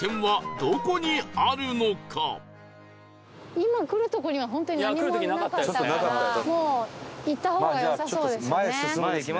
今来るとこには本当に何もなかったからもう行った方が良さそうですよね。